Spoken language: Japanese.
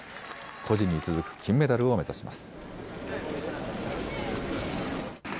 個人に続く金メダルを目指します。